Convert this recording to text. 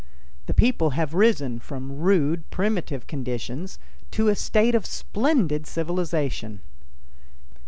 The people have risen from rude, primitive conditions to a state of splendid civilization.